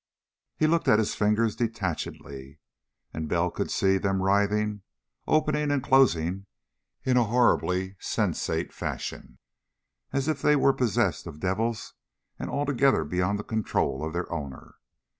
He looked at his fingers detachedly. And Bell could see them writhing, opening and closing in a horribly sensate fashion, as if they were possessed of devils and altogether beyond the control of their owner.